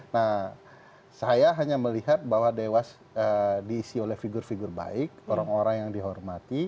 nah saya hanya melihat bahwa dewas diisi oleh figur figur baik orang orang yang dihormati